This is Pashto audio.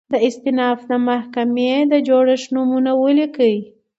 د استیناف محکمي د جوړښت نومونه ولیکئ؟